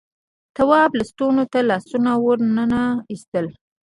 تواب لستونو ته لاسونه وننه ایستل.